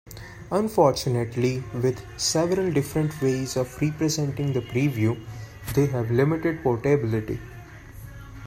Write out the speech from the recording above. Unfortunately, with several different ways of representing the preview, they have limited portability.